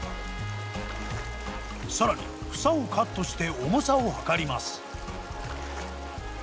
更に房をカットして重さを量ります。